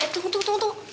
tunggu tunggu tunggu